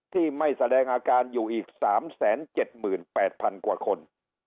ที่ไม่แสดงอาการอยู่อีก๓๗๘๐๐๐กว่าคน